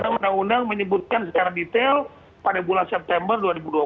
undang undang menyebutkan secara detail pada bulan september dua ribu dua puluh